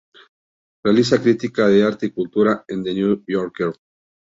Realiza crítica de arte y cultura en "The New Yorker".